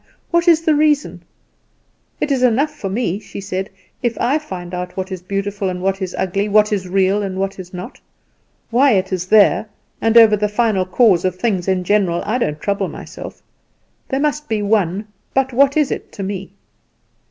What is the reason? It is enough for me," she said, "if I find out what is beautiful and what is ugly, what is real and what is not. Why it is there, and over the final cause of things in general, I don't trouble myself; there must be one, but what is it to me?